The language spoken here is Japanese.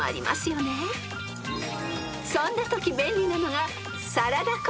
［そんなとき便利なのが］